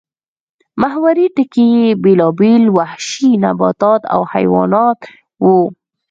محوري ټکی یې بېلابېل وحشي نباتات او حیوانات وو